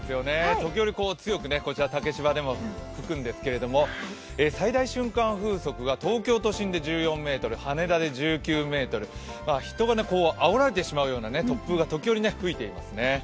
時折、強く竹芝でも吹くんですけど最大瞬間風速が東京都心で１４ｍ、羽田で１９メートル、人があおられてしまうような突風が時折吹いていますね。